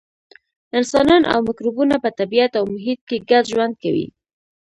انسانان او مکروبونه په طبیعت او محیط کې ګډ ژوند کوي.